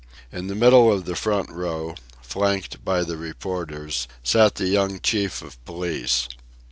In the middle of the front row, flanked by the reporters, sat the young chief of police.